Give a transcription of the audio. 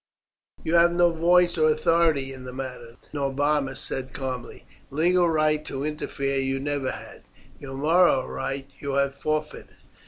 "You have no voice or authority in the matter," Norbanus said calmly. "Legal right to interfere you never had. Your moral right you have forfeited.